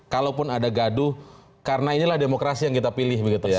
kalaupun ada gaduh karena inilah demokrasi yang kita pilih begitu